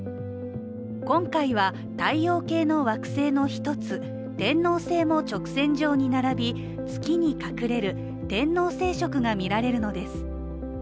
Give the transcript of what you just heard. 今回は、太陽系の惑星の一つ天王星も直線上に並び月に隠れる天王星食が見られるのです。